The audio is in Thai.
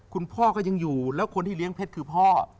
คุณพ่อก็ยังอยู่แล้วคนที่เลี้ยงเพชรคือพ่อ